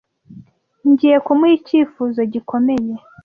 Ngiye kumuha icyifuzo gikomeye.